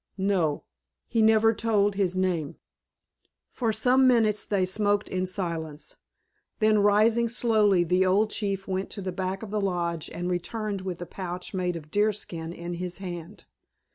"No. He never told his name." For some minutes they smoked in silence. Then rising slowly the old chief went to the back of the lodge and returned with a pouch made of deerskin in his hand.